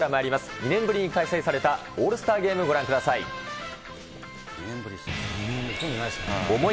２年ぶりに開催されたオールスターゲーム、ご覧ください。